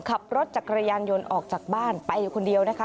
ขับรถจักรยานยนต์ออกจากบ้านไปคนเดียวนะคะ